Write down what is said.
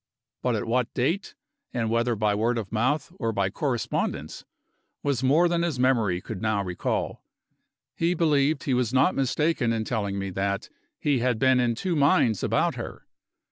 But at what date and whether by word of mouth or by correspondence was more than his memory could now recall. He believed he was not mistaken in telling me that he "had been in two minds about her."